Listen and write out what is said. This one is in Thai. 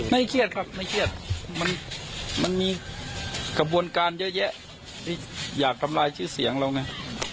เครียดครับไม่เครียดมันมีกระบวนการเยอะแยะที่อยากทำลายชื่อเสียงเราไง